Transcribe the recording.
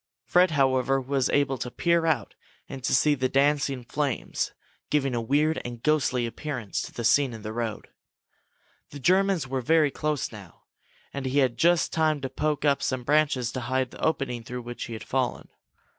Fred, however, was able to peer out and to see the dancing flames, giving a weird and ghostly appearance to the scene in the road. The Germans were very close now and he had just time to poke up some branches to hide the opening through which he had fallen.